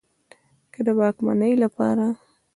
که د واکمنۍ له پاره